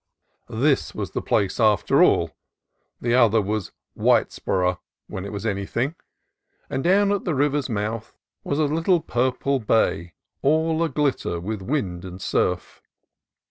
This was the place, after all: the other was Whitesboro', when it was anything. And down at the river's mouth was a little purple bay, all a glitter with wind and surf.